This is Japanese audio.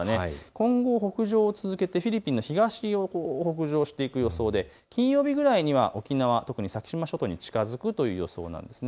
今後、北上を続けてフィリピンの東を北上していく予想で金曜日くらいには沖縄、先島諸島に近づくという予想です。